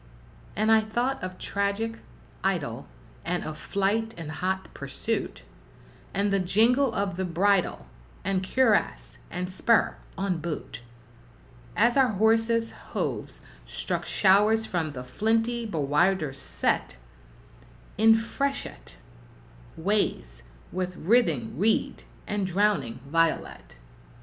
And I thought of tragic idyl, and of flight and hot pursuit, And the jingle of the bridle, and cuirass, and spur on boot, As our horses's hooves struck showers from the flinty bowlders set In freshet ways with writhing reed and drowning violet.